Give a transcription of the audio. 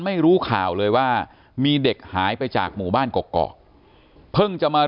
ไม่รู้ข่าวเลยว่ามีเด็กหายไปจากหมู่บ้านกอกเพิ่งจะมา